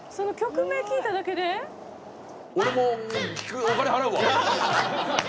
俺もお金払うわ。